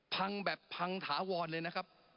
พังแบบพังถาวรเลยนะครับ